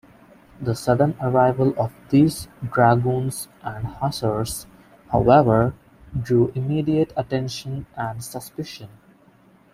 The sudden arrival of these dragoons and hussars, however, drew immediate attention and suspicion.